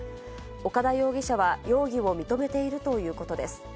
岡田容疑者は容疑を認めているということです。